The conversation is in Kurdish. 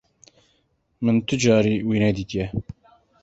Min ti carî wî nedîtiye.